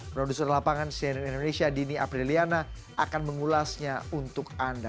produser lapangan cnn indonesia dini apriliana akan mengulasnya untuk anda